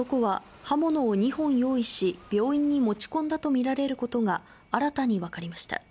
また男は、刃物を２本用意し、病院に持ち込んだと見られることが、新たに分かりました。